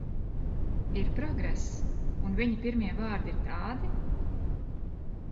Ir progress, un viņa pirmie vārdi ir tādi?